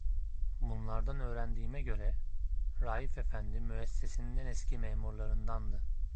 Bunlardan öğrendiğime göre, Raif efendi müessesenin en eski memurlarındandı.